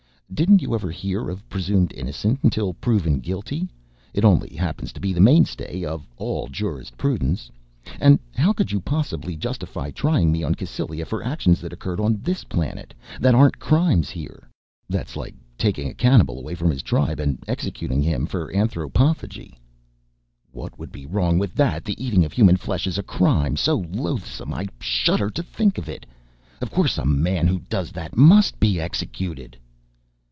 "Didn't you ever hear of presumed innocence until proven guilty? It only happens to be the mainstay of all jurisprudence. And how could you possibly justify trying me on Cassylia for actions that occurred on this planet that aren't crimes here? That's like taking a cannibal away from his tribe and executing him for anthropophagy." "What would be wrong with that? The eating of human flesh is a crime so loathsome I shudder to think of it. Of course a man who does that must be executed."